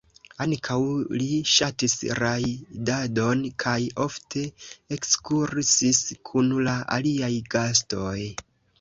Ankaŭ li ŝatis rajdadon kaj ofte ekskursis kun la aliaj gastoj.